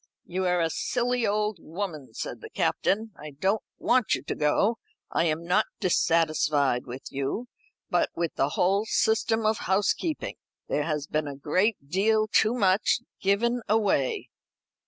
"You are a silly old woman," said the Captain. "I don't want you to go. I am not dissatisfied with you, but with the whole system of housekeeping. There has been a great deal too much given away."